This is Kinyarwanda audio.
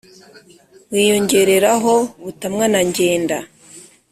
wiyongereraho butamwa na ngenda